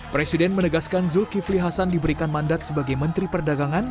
presiden menegaskan zulkifli hasan diberikan mandat sebagai menteri perdagangan